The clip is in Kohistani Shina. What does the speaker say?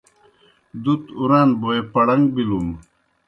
دُت اُران بوئے پڑن٘گ بِلُن۔